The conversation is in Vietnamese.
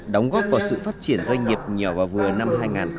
đóng góp vào sự phát triển doanh nghiệp nhỏ và vừa năm hai nghìn một mươi tám